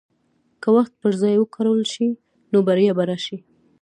که وخت پر ځای وکارول شي، نو بریا به راشي.